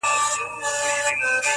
يو زرو اوه واري مي ښكل كړلې.